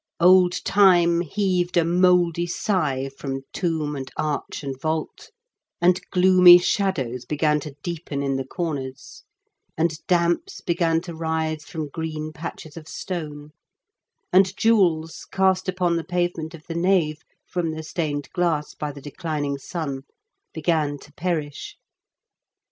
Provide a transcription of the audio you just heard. "Old Time heaved a mouldy sigh from tomb, and arch, and vault ; and gloomy shadows began to deepen in the corners; and damps began to rise from green patches of stone ; and jewels, cast upon the pavement of the nave from the stained glass by the declining sun, began to perish.